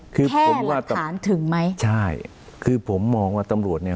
แค่หลักฐานถึงไหมใช่คือผมมองว่าตำรวจเนี้ย